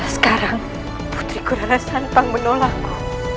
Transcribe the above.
sekarang putriku larasantang menolakku